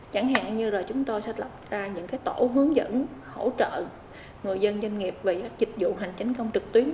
chẳng hạn như là chúng tôi sẽ lập ra những tổ hướng dẫn hỗ trợ người dân doanh nghiệp về dịch vụ hành chính công trực tuyến